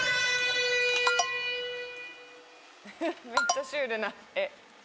めっちゃシュールな画。